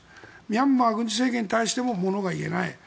ミャンマー軍事政権に対してもものが言えない。